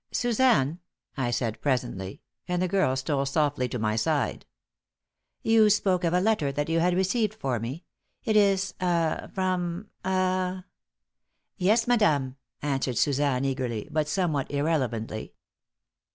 "Suzanne," I said presently, and the girl stole softly to my side. "You spoke of a letter that you had received for me. It is ah from ah?" "Yes, madame," answered Suzanne, eagerly, but somewhat irrelevantly.